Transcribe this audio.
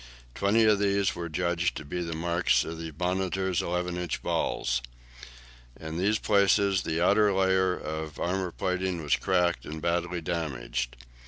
Twenty of these were judged to be the marks of the "Monitor's" 11 inch balls. In these places the outer layer of armour plating was cracked and badly damaged.